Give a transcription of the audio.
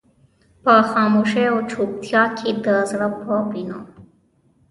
په خاموشۍ او چوپتيا کې د زړه په وينو.